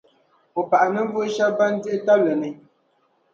O pahi ninvuɣu shɛba ban dihitabli ni.